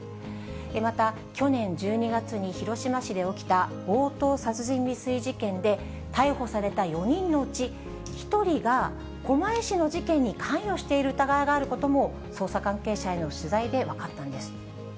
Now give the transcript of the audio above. また、去年１２月に広島市で起きた強盗殺人未遂事件で逮捕された４人のうち１人が、狛江市の事件に関与している疑いがあることも、捜査関係者への取材で分かったんです。